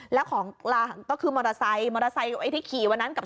แล้วของลางก็คือมอเตอร์ไซค์มอเตอร์ไซค์ไอ้ที่ขี่วันนั้นกับ